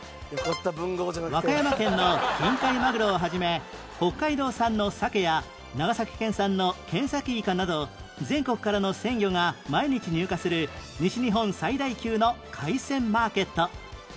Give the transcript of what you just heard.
和歌山県の近海マグロを始め北海道産のサケや長崎県産の剣先イカなど全国からの鮮魚が毎日入荷する西日本最大級の海鮮マーケット